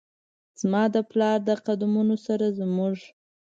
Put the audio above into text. زما د پلار د قد مونو سره زموږ،